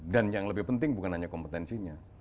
yang lebih penting bukan hanya kompetensinya